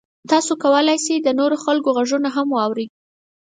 تاسو کولی شئ د نورو خلکو غږونه هم واورئ.